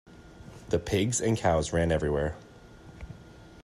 The pigs and cows ran everywhere.